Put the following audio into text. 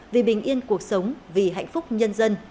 vì bình yên cuộc sống vì hạnh phúc nhân dân